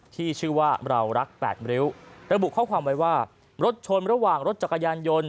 ที่ชื่อว่าเรารัก๘ริ้วระบุข้อความไว้ว่ารถชนระหว่างรถจักรยานยนต์